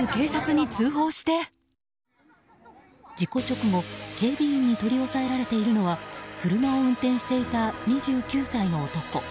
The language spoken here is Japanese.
事故直後、警備員に取り押さえられているのは車を運転していた２９歳の男。